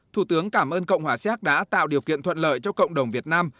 thủ tướng cảm ơn cộng hòa xéc đã tạo điều kiện thuận lợi cho cộng đồng việt nam